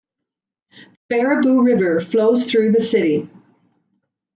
The Baraboo River flows through the city.